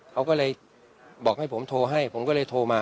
เขาก็เลยบอกให้ผมโทรให้ผมก็เลยโทรมา